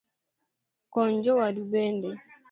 Kony jowadu bende